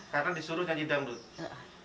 karena disuruh nyanyi dangdut